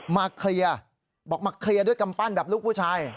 มาเคลียร์บอกมาเคลียร์ด้วยกำปั้นแบบลูกผู้ชาย